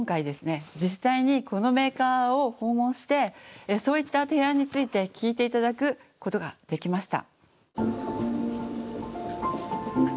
実際にこのメーカーを訪問してそういった提案について聞いて頂くことができました。